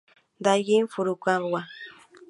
Daigo Furukawa